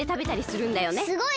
すごい！